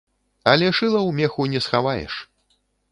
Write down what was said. Але шыла ў меху не схаваеш.